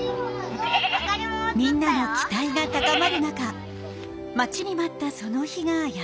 みんなの期待が高まる中待ちに待ったその日がやってきました。